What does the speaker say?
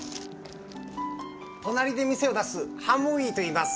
隣で店を出すハムウィといいます。